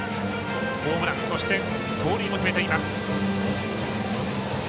ホームラン、盗塁も決めています。